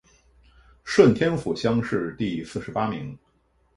顺天府乡试第四十八名。